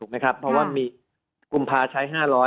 เพราะว่ามีกุมภาใช้๕๐๐